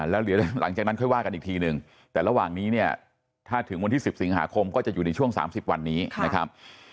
แล้วเดี๋ยวหลังจากนั้นค่อยว่ากันอีกทีหนึ่งแต่ระหว่างนี้เนี่ยถ้าถึงวันที่๑๐สิงหาคมก็จะอยู่ในช่วง๓๐วันนี้นะครับ